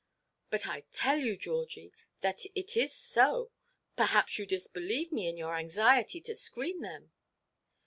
"But I tell you, Georgie, that it is so. Perhaps you disbelieve me in your anxiety to screen them?"